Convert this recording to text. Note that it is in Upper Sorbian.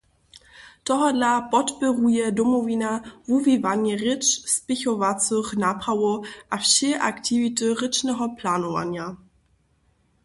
Tohodla podpěruje Domowina wuwiwanje rěč spěchowacych naprawow a wšě aktiwity rěčneho planowanja.